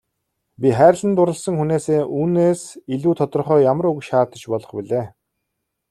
Би хайрлан дурласан хүнээсээ үүнээс илүү тодорхой ямар үг шаардаж болох билээ.